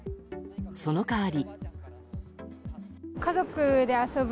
その代わり。